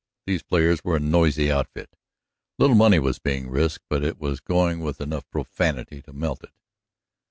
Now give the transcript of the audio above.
These players were a noisy outfit. Little money was being risked, but it was going with enough profanity to melt it.